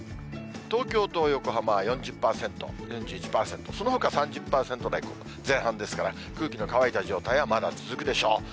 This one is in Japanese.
東京と横浜は４０％、４１％、そのほか３０％台前半ですから、空気の乾いた状態はまた続くでしょう。